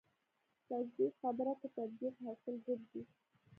تجدید خبره کې تطبیق حاصل ګرځي.